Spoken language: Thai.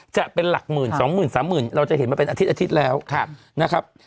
จะเป็นหลักหมื่นสองหมื่นสามหมื่นเราจะเห็นมาเป็นอาทิตอาทิตย์แล้วนะครับ